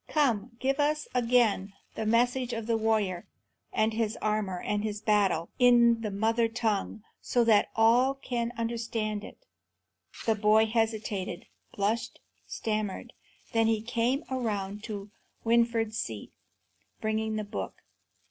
Come, give us again the message of the warrior and his armour and his battle, in the mother tongue, so that all can understand it." The boy hesitated, blushed, stammered; then he came around to Winfried's seat, bringing the book.